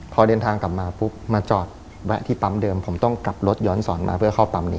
พอเดินทางกลับมาปุ๊บมาจอดแวะที่ปั๊มเดิมผมต้องกลับรถย้อนสอนมาเพื่อเข้าปั๊มนี้